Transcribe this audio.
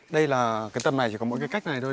đây là cái tâm này chỉ có mỗi cái cách này thôi